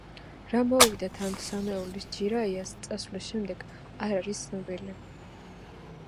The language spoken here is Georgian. რა მოუვიდათ ამ სამეულს ჯირაიას წასვლის შემდეგ, არ არის ცნობილი.